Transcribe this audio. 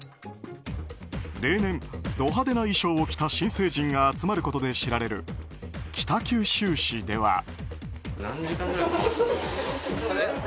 例年、ド派手な衣装を着た新成人が集まることで知られている北九州市では。